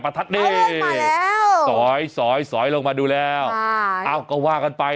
ปัดทัดนี้สอยลงมาดูแล้วภายความว่าถึงเนี่ย